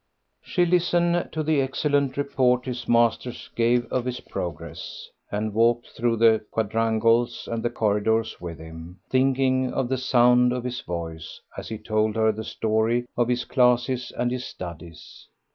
She listened to the excellent report his masters gave of his progress, and walked through the quadrangles and the corridors with him, thinking of the sound of his voice as he told her the story of his classes and his studies.